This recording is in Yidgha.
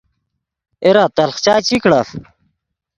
اے را تلخ چائے چی کڑف